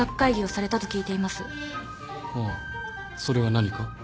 それが何か？